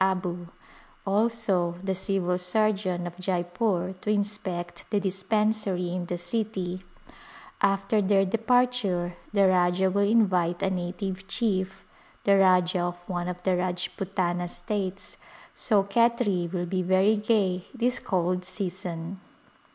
Abu, also the civil surgeon of Jeypore to inspect the dispen sary in the city ; after their departure the Rajah will invite a native chief, the Rajah of one of the Rajputana states, so Khetri will be very gay this cold season.